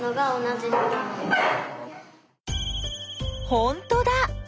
ほんとだ！